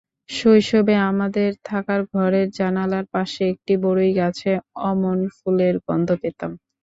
শৈশবে আমাদের থাকার ঘরের জানালার পাশে একটি বরইগাছে অমন ফুলের গন্ধ পেতাম।